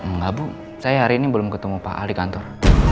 enggak bu saya hari ini belum ketemu pak ahli kantor